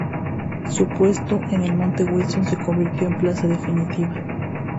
Su puesto en el Monte Wilson se convirtió en plaza definitiva.